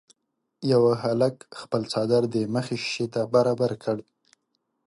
یوه هلک خپل څادر د مخې شيشې ته برابر کړ.